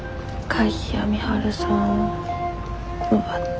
鍵谷美晴さんを奪った。